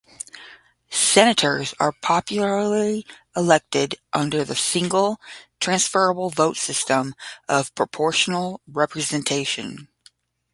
Senators are popularly elected under the single transferable vote system of proportional representation.